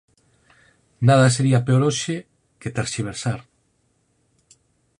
"Nada sería peor hoxe que terxiversar.